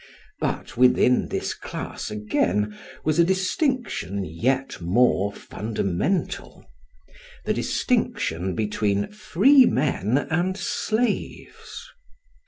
But within this class again was a distinction yet more fundamental the distinction between free men and slaves.